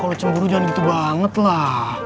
kalau cemburu jangan gitu banget lah